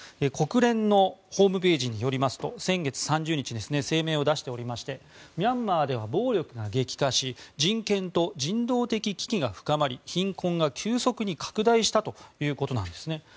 国連のホームページによりますと先月３０日声明を出しておりましてミャンマーでは暴力が激化し人権と人道的危機が深まり貧困が急速に拡大したということなんですね。